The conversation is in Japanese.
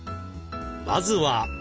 まずは。